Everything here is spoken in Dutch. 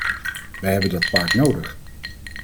Wij hebben dat park nodig.